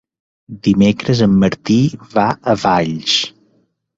Dimecres en Martí va a Valls.